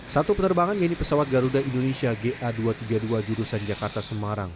satu penerbangan yaitu pesawat garuda indonesia ga dua ratus tiga puluh dua jurusan jakarta semarang